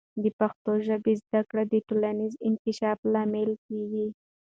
د پښتو ژبې زده کړه د ټولنیز انکشاف لامل کیږي.